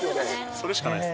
それしかないです。